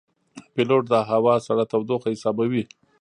پیلوټ د هوا سړه تودوخه حسابوي.